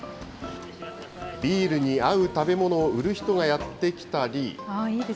ビールに合う食べ物を売る人がやって来たり。